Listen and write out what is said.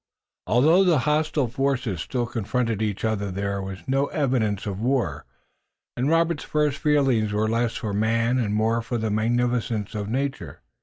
Although the hostile forces still confronted each other there was no other evidence of war, and Robert's first feelings were less for man and more for the magnificence of nature.